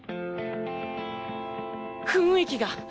雰囲気が。